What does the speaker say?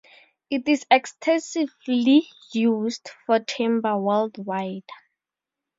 It is extensively used for timber, worldwide.